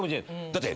だって。